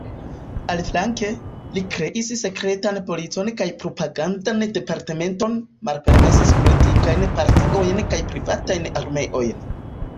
Aliflanke, li kreis sekretan policon kaj propagandan departementon, malpermesis politikajn partiojn kaj privatajn armeojn.